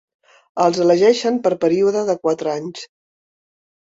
Els elegeixen per període de quatre anys.